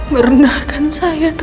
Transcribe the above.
merendahkan saya tante